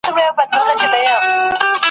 سمدستي یې کړه ور پرې غاړه په توره ,